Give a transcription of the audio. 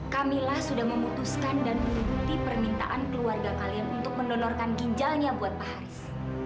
kamilah sudah memutuskan dan mengikuti permintaan keluarga kalian untuk mendonorkan ginjalnya buat pak haris